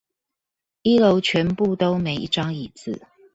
一樓全部都沒一張椅子